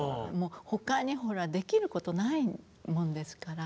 他にほらできることないもんですから。